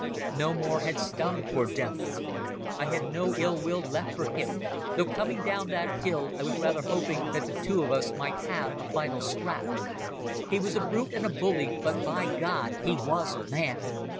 No more had Stumm, poor devil. I had no ill will left for him, though coming down that hill I was rather hoping that the two of us might have a final scrap. He was a brute and a bully, but, by God! he was a man.